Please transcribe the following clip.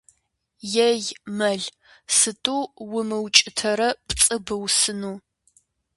Ей, мэл, сыту умыукӀытэрэ пцӀы быупсыну!